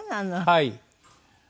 はい。